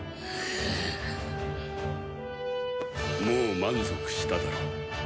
もう満足しただろう。